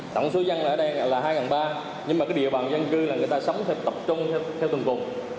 tổng số dân ở đây là hai ba trăm linh nhưng mà cái địa bàn dân cư là người ta sống tập trung theo tuần cùng